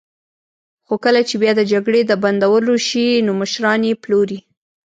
خو کله چې بیا د جګړې د بندولو شي، نو مشران یې پلوري.